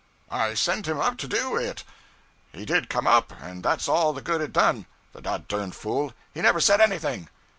'I sent him up to do, it.' 'He did come up; and that's all the good it done, the dod derned fool. He never said anything.'